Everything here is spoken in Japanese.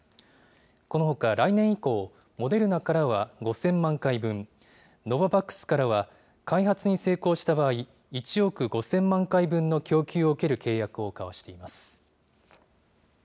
このほか来年以降、モデルナからは５０００万回分、ノババックスからは、開発に成功した場合、１億５０００万回分の供給を受ける契約を交わしています。